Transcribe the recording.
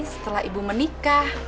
setelah ibu menikah